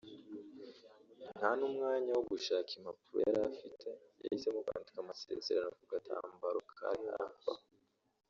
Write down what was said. nta n’umwanya wo gushaka impapuro yari afite yahisemo kwandika amasezerano ku gatambaro kari aho hafi